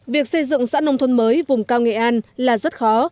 việc xây dựng xã nông thôn mới vùng cao nghệ an là rất khó